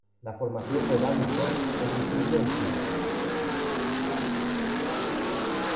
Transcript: La formación Vallis Bohr es visible al sur.